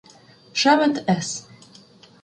Шемет С.